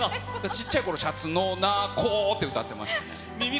ちっちゃいころ、シャツのなこって歌ってました。